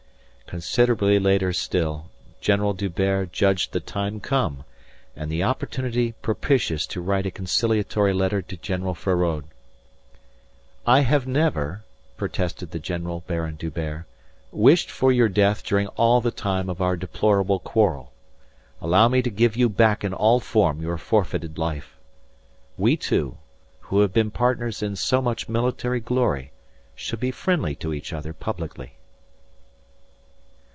Considerably later still, General D'Hubert judged the time come, and the opportunity propitious to write a conciliatory letter to General Feraud. "I have never," protested the General Baron D'Hubert, "wished for your death during all the time of our deplorable quarrel. Allow me to give you back in all form your forfeited life. We two, who have been partners in so much military glory, should be friendly to each other publicly."